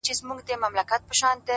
د خاموش پارک بنچونه تل د انتظار ځای وي